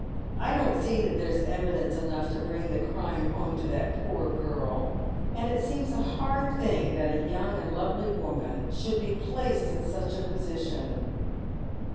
I don't see that there's evidence enough to bring the crime home to that poor girl, and it seems a hard thing that a young and lovely woman should be placed in such a position."